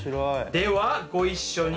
ではご一緒に。